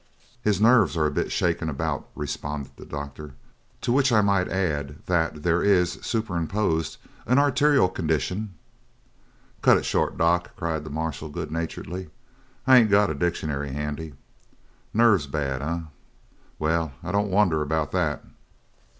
"His nerves are a bit shaken about," responded the doctor. "To which I might add that there is superimposed an arterial condition " "Cut it short, Doc," cried the marshal goodnaturedly. "I ain't got a dictionary handy. Nerves bad, eh? Well, I don't wonder about that.